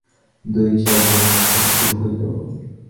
দু-চার দিনের মধ্যেই শুরু হইল।